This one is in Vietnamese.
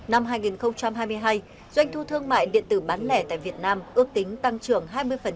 năm hai nghìn hai mươi hai doanh thu thương mại điện tử bán lẻ tại việt nam ước tính tăng trưởng hai mươi